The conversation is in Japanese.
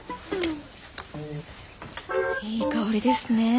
いい香りですね。